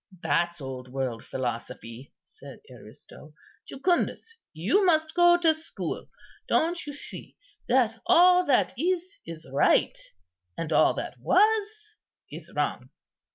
"That's old world philosophy," said Aristo; "Jucundus, you must go to school. Don't you see that all that is, is right; and all that was, is wrong?